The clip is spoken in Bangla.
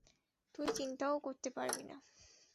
তুই চিন্তা ও করতে পারবি না।